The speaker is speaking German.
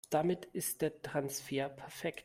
Damit ist der Transfer perfekt.